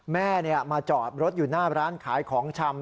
แม่มาจอดรถอยู่หน้าร้านขายของชำ